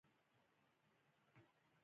نو اضافي ارزښت به پنځوس میلیونه افغانۍ وي